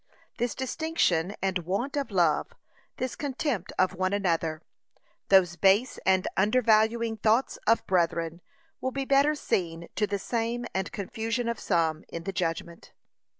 This distinction and want of love, this contempt of one another, those base and undervaluing thoughts of brethren, will be better seen, to the shame and confusion of some, in the judgment.